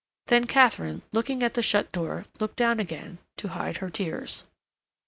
Then Katharine, looking at the shut door, looked down again, to hide her tears.